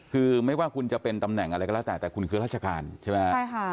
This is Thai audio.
คือไม่ว่าคุณจะเป็นตำแหน่งอะไรก็แล้วแต่คุณแค่ราชการใช่ไหม